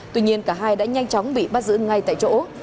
tuy nhiên cả hai đã nhanh chóng bị bắt giữ ngay tại chỗ